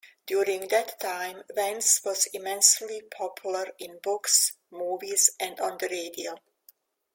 During that time, Vance was immensely popular in books, movies, and on the radio.